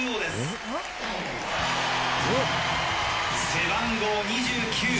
背番号２９。